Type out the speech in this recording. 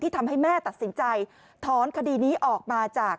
ทำให้แม่ตัดสินใจถอนคดีนี้ออกมาจาก